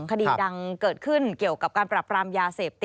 คดีดังเกิดขึ้นเกี่ยวกับการปรับปรามยาเสพติด